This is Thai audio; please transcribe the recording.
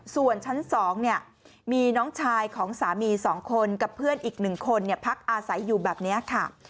ส่วนชั้น๒มีน้องชายของสามี๒คนกับเพื่อนอีก๑คนพักอาศัยอยู่แบบนี้ค่ะ